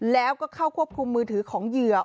แล้วก็เข้าควบคุมมือถือของเหยื่อ